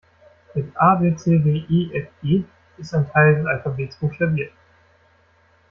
Mit A-B-C-D-E-F-G ist ein Teil des Alphabets buchstabiert!